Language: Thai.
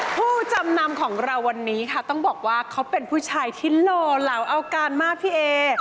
ผู้จำนำของเราวันนี้ค่ะต้องบอกว่าเขาเป็นผู้ชายที่หล่อเหลาเอาการมากพี่เอ